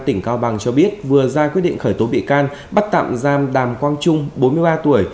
tỉnh cao bằng cho biết vừa ra quyết định khởi tố bị can bắt tạm giam đàm quang trung bốn mươi ba tuổi